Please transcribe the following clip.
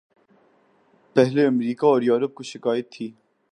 پہلے امریکہ اور یورپ کو شکایت تھی۔